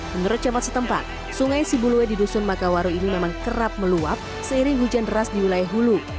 menurut camat setempat sungai sibuluwe di dusun makawaru ini memang kerap meluap seiring hujan deras di wilayah hulu